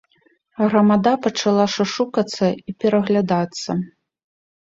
Грамада пачала шушукацца і пераглядацца.